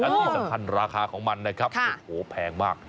และที่สำคัญราคาของมันนะครับโอ้โหแพงมาก